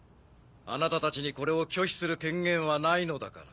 あなたたちにこれを拒否する権限はないのだから。